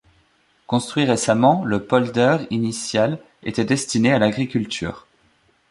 Construit récemment, le polder initial était destiné à l'agriculture.